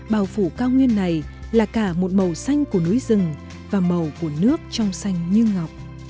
bào phủ cao nguyên này là cả một màu xanh của núi rừng và màu của nước trong xanh như ngọc